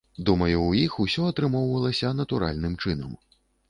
Думаю, у іх усё атрымоўвалася натуральным чынам.